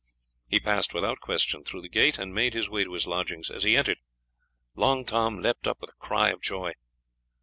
He passed without question through the gate, and made his way to his lodgings. As he entered Long Tom leapt up with a cry of joy.